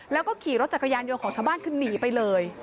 แล้วก็ขี่รถจักรยานยนต์ของชาวบ้านคือหนีไปเลย